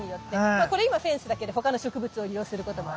まあこれ今フェンスだけど他の植物を利用することもあるしね。